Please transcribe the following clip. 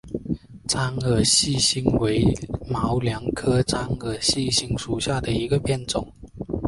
獐耳细辛为毛茛科獐耳细辛属下的一个变种。